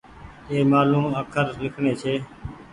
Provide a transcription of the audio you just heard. اي مآلون اکر لکڻي ڇي